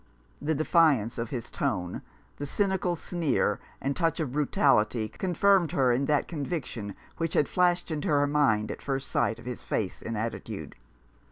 The defiance of his tone, the cynical sneer, and touch of brutality confirmed her in that conviction which had flashed into her mind at first sight of his face and attitude.